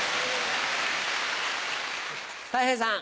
たい平さん。